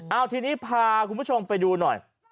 เอาทีนี้พาคุณผู้ชมไปดูหน่อย